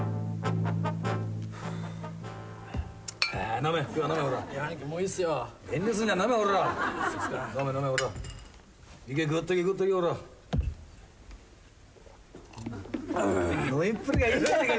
飲みっぷりがいいじゃねえか。